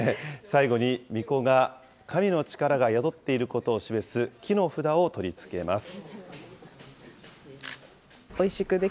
最後にみこが、神の力が宿っていることを示す木の札を取り付けます。